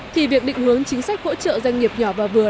thì việc định hướng chính sách hỗ trợ doanh nghiệp nhỏ và vừa